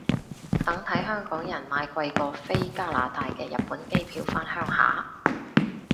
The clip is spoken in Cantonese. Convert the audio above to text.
等睇香港人買貴過飛加拿大嘅日本機票返鄉下